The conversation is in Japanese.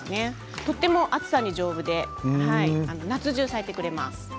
とても暑さに丈夫で夏じゅう咲いてくれています。